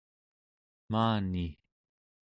maani